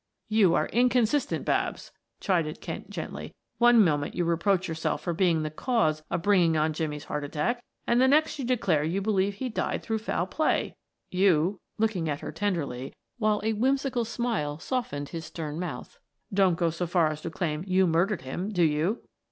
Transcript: "You are inconsistent, Babs," chided Kent gently. "One moment you reproach yourself for being the cause of bringing on Jimmie's heart attack, and the next you declare you believe he died through foul play. You," looking at her tenderly, while a whimsical smile softened his stern mouth, "don't go so far as to claim you murdered him, do you?"